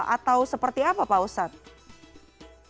atau seperti apa pak ustadz